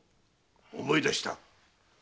思い出した。